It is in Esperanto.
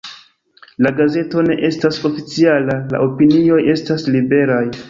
La gazeto ne estas oficiala, la opinioj estas liberaj.